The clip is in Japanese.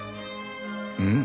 うん？